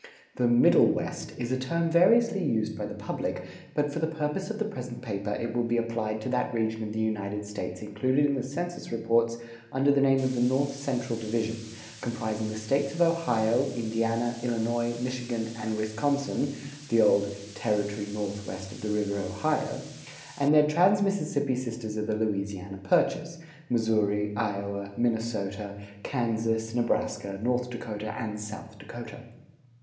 The "Middle West" is a term variously used by the public, but for the purpose of the present paper, it will be applied to that region of the United States included in the census reports under the name of the North Central division, comprising the States of Ohio, Indiana, Illinois, Michigan, and Wisconsin (the old "Territory Northwest of the River Ohio"), and their trans Mississippi sisters of the Louisiana Purchase, Missouri, Iowa, Minnesota, Kansas, Nebraska, North Dakota, and South Dakota.